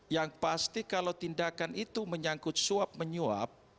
yang pasti kalau tindakan itu menyangkut suap menyuap